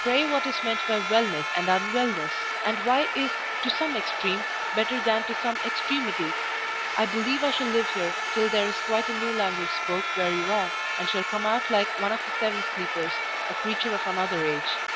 Pray what is meant by wellness and unwellness; and why is to some extreme better than to some extremity? I believe I shall live here till there is quite a new language spoke where you are, and shall come out like one of the Seven Sleepers, a creature of another age.